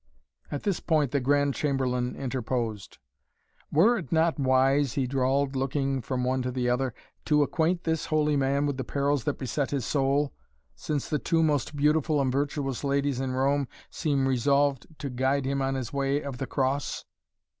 At this point the Grand Chamberlain interposed. "Were it not wise," he drawled, looking from the one to the other, "to acquaint this holy man with the perils that beset his soul, since the two most beautiful and virtuous ladies in Rome seem resolved to guide him on his Way of the Cross?"